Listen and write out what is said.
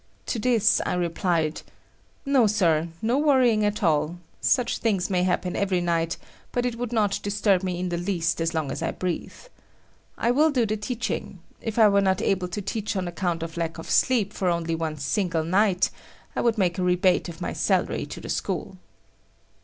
To this I replied: "No, Sir, no worrying at all. Such things may happen every night, but it would not disturb me in the least as long as I breathe. I will do the teaching. If I were not able to teach on account of lack of sleep for only one single night, I would make a rebate of my salary to the school."